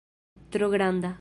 Tro granda